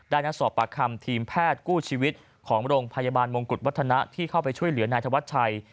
นัดสอบปากคำทีมแพทย์กู้ชีวิตของโรงพยาบาลมงกุฎวัฒนะที่เข้าไปช่วยเหลือนายธวัชชัย